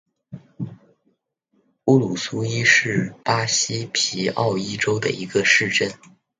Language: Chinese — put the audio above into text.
乌鲁苏伊是巴西皮奥伊州的一个市镇。